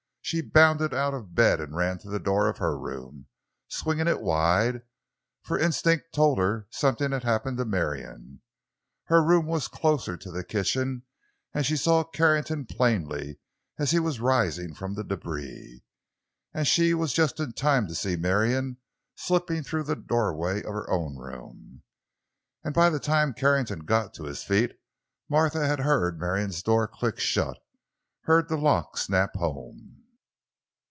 She bounded out of bed and ran to the door of her room, swinging it wide, for instinct told her something had happened to Marion. Her room was closer to the kitchen, and she saw Carrington plainly, as he was rising from the débris. And she was just in time to see Marion slipping through the doorway of her own room. And by the time Carrington got to his feet, Martha had heard Marion's door click shut, heard the lock snap home.